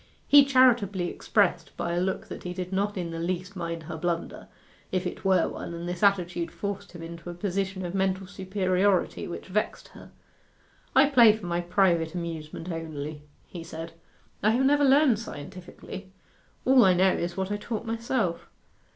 He charitably expressed by a look that he did not in the least mind her blunder, if it were one; and this attitude forced him into a position of mental superiority which vexed her. 'I play for my private amusement only,' he said. 'I have never learned scientifically. All I know is what I taught myself.